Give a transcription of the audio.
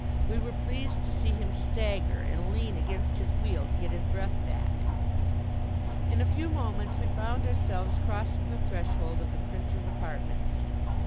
We were pleased to see him stagger and lean against his wheel to get his breath back. In a few moments we found ourselves crossing the threshold of the Prince's apartments.